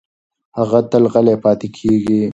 هغه تل غلې پاتې کېږي.